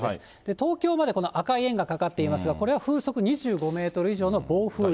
東京までこの赤い円がかかっていますが、これは風速２５メートル以上の暴風域。